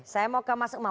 saya mau ke mas umam